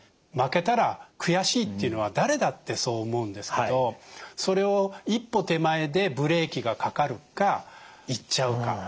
負けたら悔しいっていうのは誰だってそう思うんですけどそれを一歩手前でブレーキがかかるか言っちゃうか。